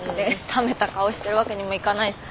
冷めた顔してるわけにもいかないしさ。